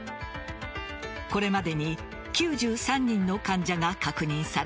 これまでに９３人の患者が確認され